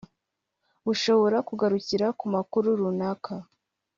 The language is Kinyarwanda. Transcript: bushobora kugarukira ku makuru runaka